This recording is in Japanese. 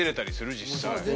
実際。